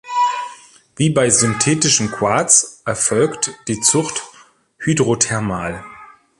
Wie bei synthetischem Quarz erfolgt die Zucht hydrothermal.